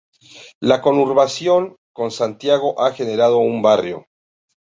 La conurbación con Santiago ha generado un barrio.